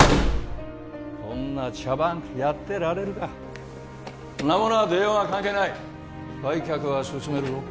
こんな茶番やってられるかこんなものが出ようが関係ない売却は進めるぞ